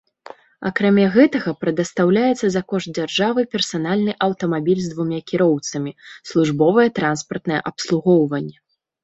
Акрамя гэтага прадастаўляецца за кошт дзяржавы персанальны аўтамабіль з двума кіроўцамі, службовае транспартнае абслугоўванне.